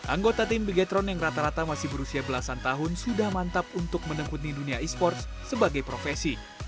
anggota tim begetron yang rata rata masih berusia belasan tahun sudah mantap untuk menekuni dunia esports sebagai profesi